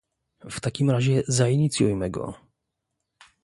W takim razie zainicjujmy go